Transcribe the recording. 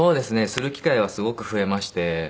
する機会はすごく増えまして。